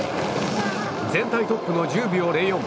全体トップの１０秒０４。